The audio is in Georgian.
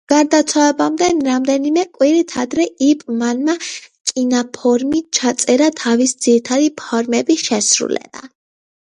გარდაცვალებამდე რამდენიმე კვირით ადრე იპ მანმა კინოფირზე ჩაწერა თავისი ძირითადი ფორმების შესრულება.